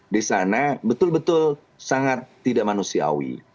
di sana betul betul sangat tidak manusiawi